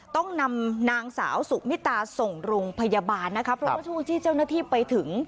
ต้องนำนางสาวสุมิตาส่งโรงพยาบาลนะคะเพราะว่าช่วงที่เจ้าหน้าที่ไปถึง